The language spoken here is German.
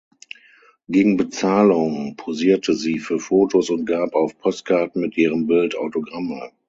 Gegen Bezahlung posierte sie für Fotos und gab auf Postkarten mit ihrem Bild Autogramme.